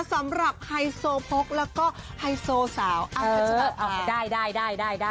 สำหรับไฮโซพกแล้วก็ไฮโซสาวเอ่อได้ได้ได้ได้ได้